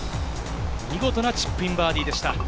見事なチップインバーディーでした。